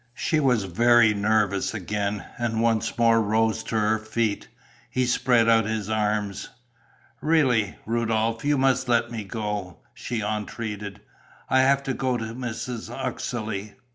She was very nervous again and once more rose to her feet. He spread out his arms. "Really, Rudolph, you must let me go," she entreated. "I have to go to Mrs. Uxeley.